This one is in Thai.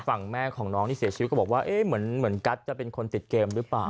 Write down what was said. ฝั่งแม่ของน้องที่เสียชีวิตก็บอกว่าเอ๊ะเหมือนกัสจะเป็นคนติดเกมหรือเปล่า